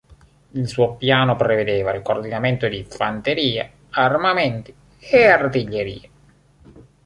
Il suo piano prevedeva il coordinamento di fanteria, armamenti e artiglieria.